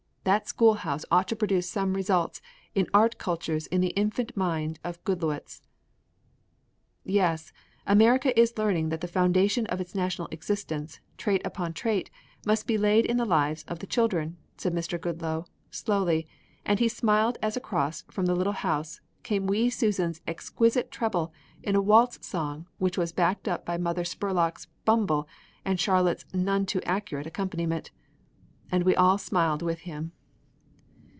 That schoolhouse ought to produce some results in art cultures in the infant mind of Goodloets." "Yes, America is learning that the foundation of its national existence, trait upon trait, must be laid in the lives of the children," said Mr. Goodloe, slowly, and he smiled as across from the Little House came wee Susan's exquisite treble in a waltz song which was backed up by Mother Spurlock's bumble and Charlotte's none too accurate accompaniment. And we all smiled with him.